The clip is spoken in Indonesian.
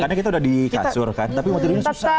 karena kita udah di kasur kan tapi mau tidurnya susah